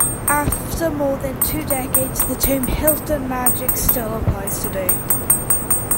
After more than two decades, the term "Hilton Magic" still applies today.